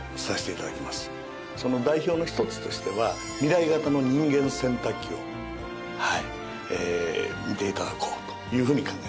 その代表の一つとしては未来型の人間洗濯機を見て頂こうというふうに考えています。